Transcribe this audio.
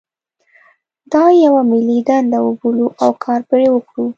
دا یوه ملي دنده وبولو او کار پرې وکړو.